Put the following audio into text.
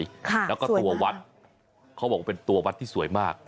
ค่ะแล้วก็ตัววัดเขาบอกว่าเป็นตัววัดที่สวยมาก